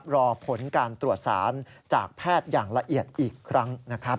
รอผลการตรวจสารจากแพทย์อย่างละเอียดอีกครั้งนะครับ